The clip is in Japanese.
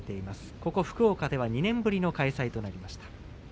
ここ福岡では２年ぶりの開催となりました。